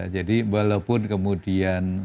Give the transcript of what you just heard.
jadi walaupun kemudian